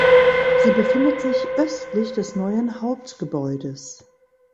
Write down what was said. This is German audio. Sie befindet sich östlich des neuen Hauptgebäudes.